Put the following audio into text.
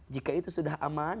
jika itu sudah aman